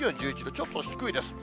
ちょっと低いです。